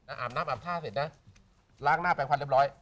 อาบน้ำอาบท่าเสร็จนะล้างหน้าแปลงควันเรียบร้อย